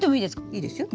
いいですよ。